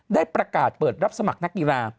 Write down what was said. ได้ประกาศเปิดรับสมัครนักกีฬา